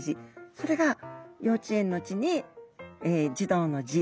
それが幼稚園の「稚」に児童の「児」